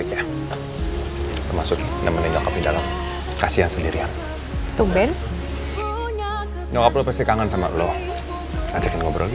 ya udah makasih ya